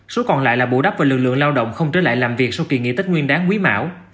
số còn lại là bù đắp và lượng lượng lao động không trở lại làm việc sau kỳ nghị tích nguyên đáng quý mảo